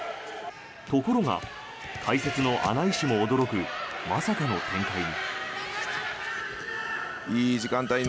ところが、解説の穴井氏も驚くまさかの展開に。